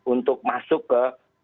untuk masuk ke